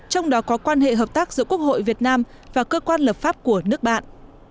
trong đó có quan hệ hợp tác giữa quốc hội việt nam và cơ quan lập pháp của nước bạn